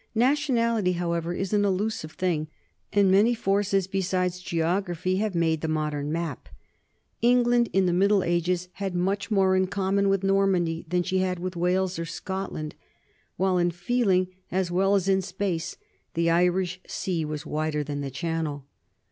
Nationality, however, is an elusive thing, and many forces besides geography have made the modern map. England in the Middle Ages had much more in common with Normandy than she had with Wales or Scotland, while in feeling, as well as in space, the Irish Sea was wider than the Channel.